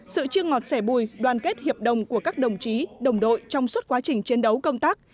sự chiêng ngọt xẻ bùi đoàn kết hiệp đồng của các đồng chí đồng đội trong suốt quá trình chiến đấu công tác